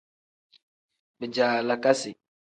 Bijaalakasi.